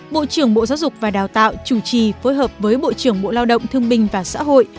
bộ trưởng bộ giáo dục và đào tạo chủ trì phối hợp với bộ trưởng bộ lao động thương bình và xã hội